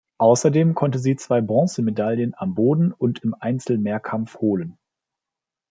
Außerdem konnte sie zwei Bronzemedaillen am Boden und im Einzelmehrkampf holen.